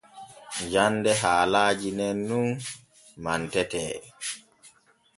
Jande haalaaji nen nun ɗun mantetee.